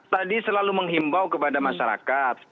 tadi selalu menghimbau kepada masyarakat